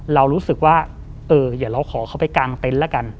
เรารู้สึกว่าอย่าเราขอเข้าไปกางเต็นต์ละกัน